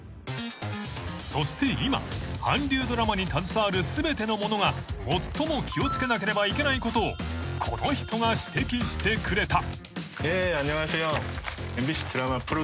［そして今韓流ドラマに携わる全ての者が最も気を付けなければいけないことをこの人が指摘してくれた］